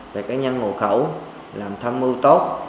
về cá nhân ngồi khẩu làm thăm mưu tốt